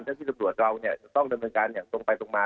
แล้วที่จะตรวจเราจะต้องดำเนินการอย่างตรงไปตรงมา